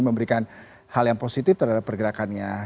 memberikan hal yang positif terhadap pergerakannya